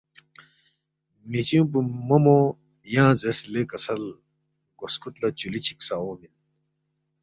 میچونگ پی مومو ینگ زیرس لے کسل گو سکوت لا چولی چک سا اونگمن۔